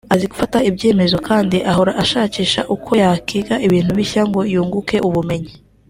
azi gufata ibyemezo kandi ahora ashakisha uko yakwiga ibintu bishya ngo yunguke ubumenyi